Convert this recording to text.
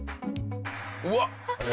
うわっ！